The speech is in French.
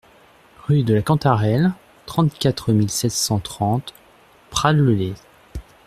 Rue de la Cantarelle, trente-quatre mille sept cent trente Prades-le-Lez